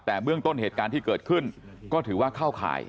แต่เบื้องต้นเหตุการณ์ที่เกิดขึ้นก็ถือว่าเข้าข่าย